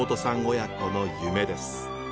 親子の夢です。